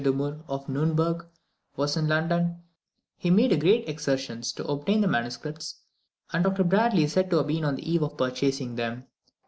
De Murr of Nuremberg was in London, he made great exertions to obtain the MSS., and Dr Bradley is said to have been on the eve of purchasing them.